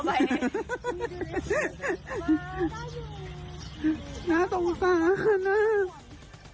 ไม่ต้องสาขนาดนี้